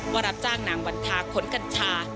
รับจ้างนางวันทาขนกัญชา